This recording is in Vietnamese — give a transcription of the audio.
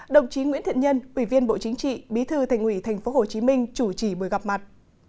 đồng chí nguyễn thiện nhân ủy viên bộ chính trị bí thư thành ủy tp hcm chủ trì buổi gặp mặt